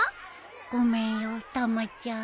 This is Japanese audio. ごめんよたまちゃん。